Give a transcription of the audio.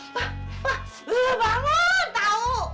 pak pak bangun tau